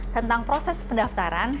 tentang proses pendaftaran